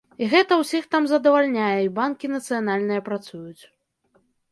І гэта ўсіх там задавальняе, і банкі нацыянальныя працуюць.